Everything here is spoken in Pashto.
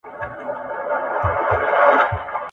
نیژدې لیري یې وړې پارچې پرتې وي ..